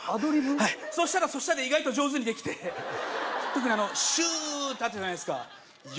はいそしたらそしたで意外と上手にできて特に「シュー」ってあったじゃないすかよ